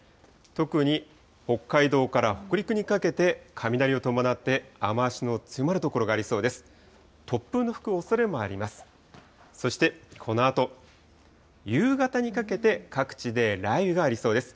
特に北海道から北陸にかけて、雷を伴って雨足の強まる所がありそうです。